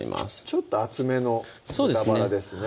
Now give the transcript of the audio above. ちょっと厚めの豚バラですね